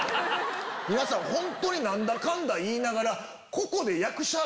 皆さん本当に何だかんだ言いながら。